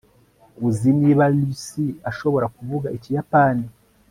uzi niba lucy ashobora kuvuga ikiyapani